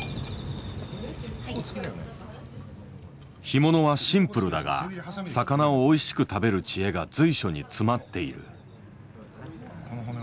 干物はシンプルだが魚をおいしく食べる知恵が随所に詰まっている。